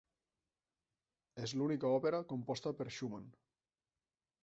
És l'única òpera composta per Schumann.